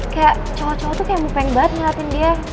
kayak cowok cowok tuh kayak mupen banget ngeliatin dia